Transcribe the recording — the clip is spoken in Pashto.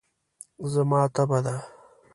زما تبه ده.